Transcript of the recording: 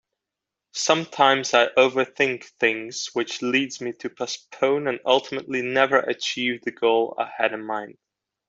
Sometimes I overthink things which leads me to postpone and ultimately never achieve the goal I had in mind.